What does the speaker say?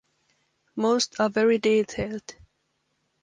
Most are very detailed.